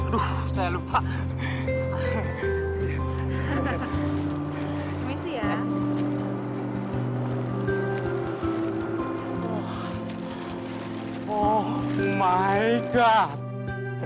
gue liat matanya